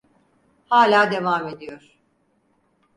Hala devam ediyor.